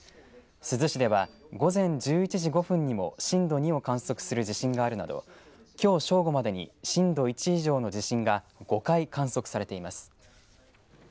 珠洲市では午前１１時５分にも震度２を観測する地震があるなどきょう正午までに震度１以上の地震が５回観測されています。